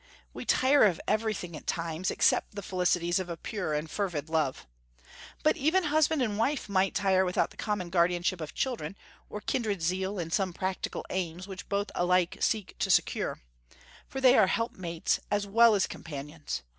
We tire of everything, at times, except the felicities of a pure and fervid love. But even husband and wife might tire without the common guardianship of children, or kindred zeal in some practical aims which both alike seek to secure; for they are helpmates as well as companions.